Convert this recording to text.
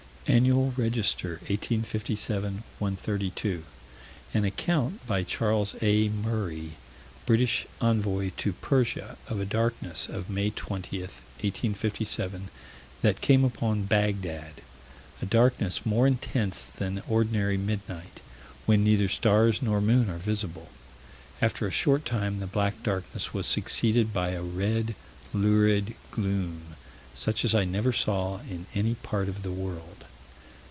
Annual Register, 1857 132: An account by Charles A. Murray, British Envoy to Persia, of a darkness of May 20, 1857, that came upon Bagdad "a darkness more intense than ordinary midnight, when neither stars nor moon are visible...." "After a short time the black darkness was succeeded by a red, lurid gloom, such as I never saw in any part of the world."